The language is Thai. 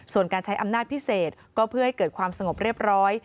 ส่วนการใช้อำนาจพิเศษก็เพื่อให้เกิดความสงบเรียบร้อย